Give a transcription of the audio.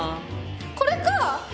これか！